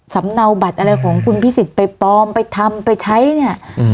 เนาบัตรอะไรของคุณพิสิทธิ์ไปปลอมไปทำไปใช้เนี่ยอืม